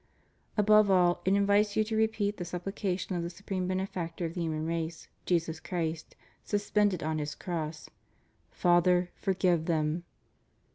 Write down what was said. ^ Above all, it invites you to repeat the supplication of the supreme benefactor of the human race, Jesus Christ, suspended on His cross: Father, forgive them.